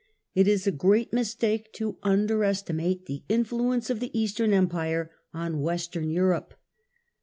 It is a great mistake to underestimate the influence of the Eastern Empire on Western Europe.